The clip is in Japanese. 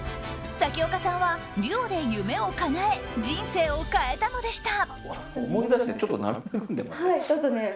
咲丘さんはＤＵＯで夢をかなえ人生を変えたのでした。